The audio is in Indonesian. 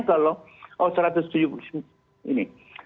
kalau oh satu ratus tujuh puluh ini